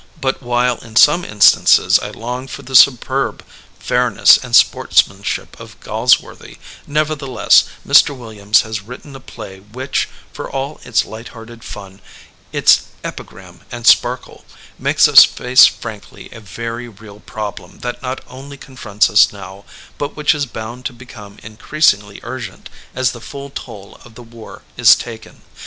But while in some instances I long for the superb fairness and sportsmanship of Galsworthy, neverthe less Mr. Williams has written a play which, for all its light hearted fun, its epigram and sparkle, makes us face frankly a very real problem that not only confronts us now, but which is bound to become in creasingly urgent as the full toll of the war is taken.